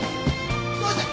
どうした！？